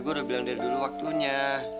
gue udah bilang dari dulu waktunya